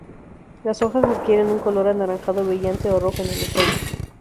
Las hojas adquieren un color anaranjado brillante o rojo en el otoño.